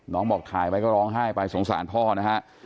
บอกถ่ายไว้ก็ร้องไห้ไปสงสารพ่อนะฮะ